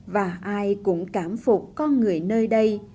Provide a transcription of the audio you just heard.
và ai cũng cảm phục con người nơi đây